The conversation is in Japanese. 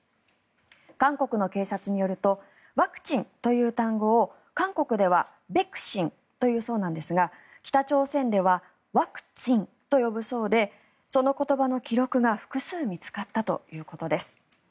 韓国の警察によるとワクチンという単語を韓国ではベクシンと言うそうなんですが北朝鮮ではワクツィンと呼ぶそうでその言葉の記録が複数見つかったということです。